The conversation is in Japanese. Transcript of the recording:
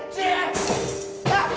あっ！